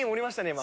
今。